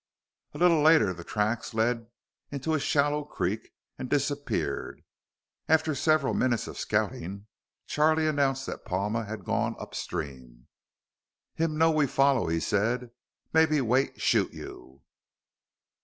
A little later the tracks led into a shallow creek and disappeared. After several minutes of scouting, Charlie announced that Palma had gone upstream. "Him know we follow," he said. "Maybe wait, shoot you."